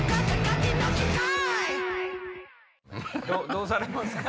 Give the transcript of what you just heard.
どうされますか？